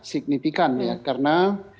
signifikan ya karena